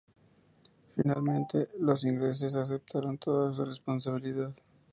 Finalmente, los ingleses aceptaron toda su responsabilidad.